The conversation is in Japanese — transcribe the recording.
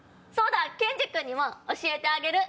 ケンジ君にも教えてあげる。